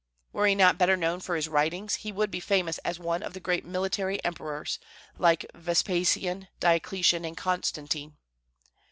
Were he not better known for his writings, he would be famous as one of the great military emperors, like Vespasian, Diocletian, and Constantine.